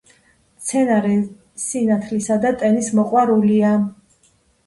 მცენარე სინათლისა და ტენის მოყვარულია.